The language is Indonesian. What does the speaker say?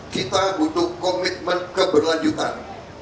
kita butuh komitmennya berlanjutan